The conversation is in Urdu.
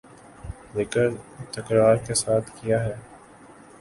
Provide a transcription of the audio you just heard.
ذکر تکرار کے ساتھ کیا ہے